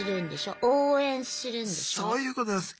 そういうことです。